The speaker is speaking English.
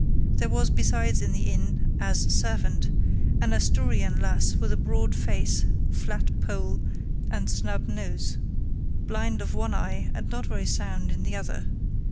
There was besides in the inn, as servant, an Asturian lass with a broad face, flat poll, and snub nose, blind of one eye and not very sound in the other.